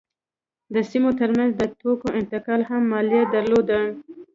د سیمو ترمنځ د توکو انتقال هم مالیه درلوده.